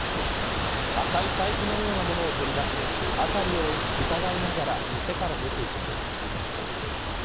赤い財布のようなものを取り出し辺りを伺いながら店から出て行きました。